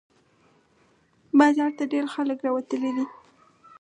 بازار ته ډېر خلق راوتي دي